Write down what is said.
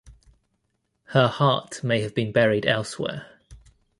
Her heart may have been buried elsewhere.